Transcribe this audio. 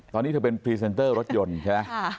ตอนนี้เธอเป็นพรีเซนเตอร์รถยนต์ใช่ไหม